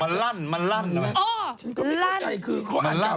มันมันมันอะไรของพี่เนี้ยมันลั่นมันลั่นอ๋อลั่นคือขออ่านข่าว